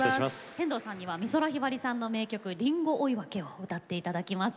天童さんには美空ひばりさんの名曲「リンゴ追分」を歌って頂きます。